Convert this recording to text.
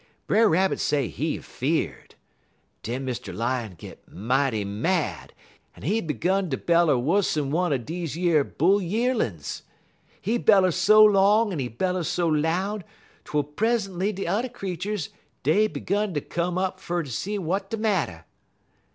Brer Rabbit say he fear'd. Den Mr. Lion git mighty mad, en he 'gun ter beller wuss'n one er deze yer bull yearlin's. He beller so long en he beller so loud twel present'y de t'er creeturs dey 'gun ter come up fer ter see w'at de matter.